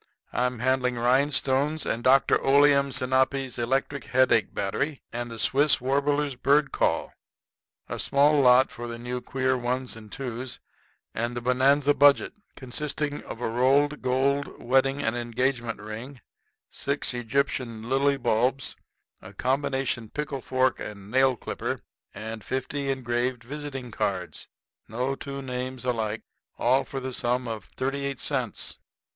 "I'm handling rhinestones and Dr. Oleum Sinapi's Electric Headache Battery and the Swiss Warbler's Bird Call, a small lot of the new queer ones and twos, and the Bonanza Budget, consisting of a rolled gold wedding and engagement ring, six Egyptian lily bulbs, a combination pickle fork and nail clipper, and fifty engraved visiting cards no two names alike all for the sum of 38 cents."